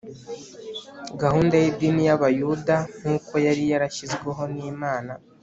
Gahunda y’idini y’Abayuda, nkuko yari yarashyizweho n’Imana